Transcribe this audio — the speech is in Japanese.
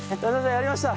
やりました。